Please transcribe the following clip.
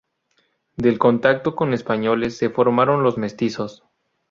Del contacto con españoles se formaron los "mestizos".